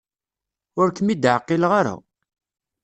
Ur kem-id-ɛqileɣ ara.